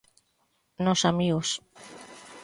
Nos amigos.